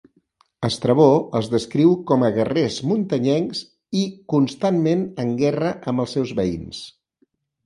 Estrabó els descriu com a guerrers muntanyencs i constantment en guerra amb els seus veïns.